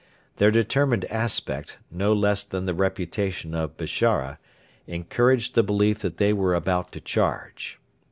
Their determined aspect, no less than the reputation of Bishara, encouraged the belief that they were about to charge.